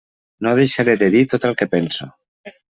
No deixaré de dir tot el que penso.